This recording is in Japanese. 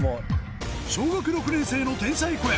小学６年生の天才子役